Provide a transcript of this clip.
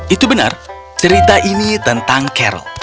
itu benar cerita ini tentang caro